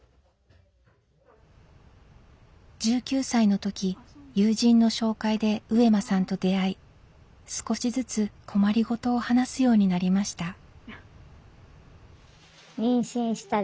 １９歳の時友人の紹介で上間さんと出会い少しずつ困りごとを話すようになりました。